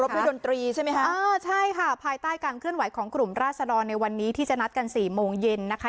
ด้วยดนตรีใช่ไหมคะเออใช่ค่ะภายใต้การเคลื่อนไหวของกลุ่มราศดรในวันนี้ที่จะนัดกันสี่โมงเย็นนะคะ